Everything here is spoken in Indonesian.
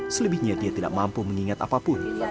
selebihnya dia tidak mampu mengingat apapun